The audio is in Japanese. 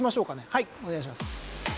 はいお願いします。